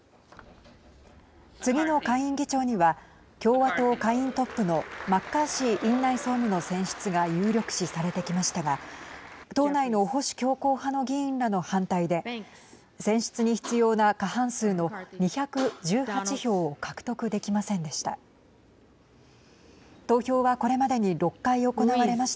次の下院議長には共和党下院トップのマッカーシー院内総務の選出が有力視されてきましたが党内の保守強硬派の議員らの反対で選出に必要な過半数の２１８票を獲得できませんでした。